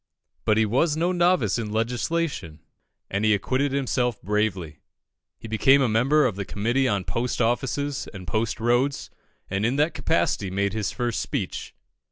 But he was no novice in legislation, and he acquitted himself bravely. He became a member of the Committee on Post Offices and Post Roads, and in that capacity made his first speech.